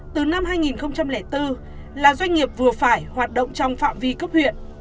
từ năm hai nghìn bốn là doanh nghiệp vừa phải hoạt động trong phạm vi cấp huyện